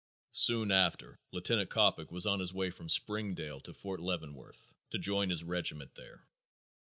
Soon after Lieutenant Coppock was on his way from Springdale to Fort Leavenworth to join his regiment there.